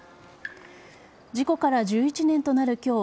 事故から１１年となる今日